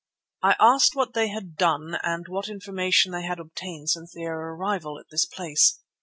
I asked what they had done and what information they had obtained since their arrival at this place.